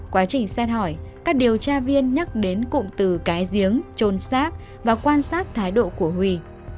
quá trình xét hỏi các điều tra viên nhắc đến cụm từ cái giếng trôn xác và quan sát thái độ của huy